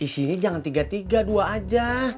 di sini jangan tiga tiga dua aja